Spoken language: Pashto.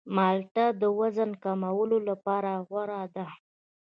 مالټه د وزن کمولو لپاره غوره ده.